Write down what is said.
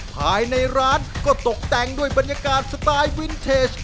ภายในร้านก็ตกแต่งด้วยบรรยากาศสไตล์วินเทจ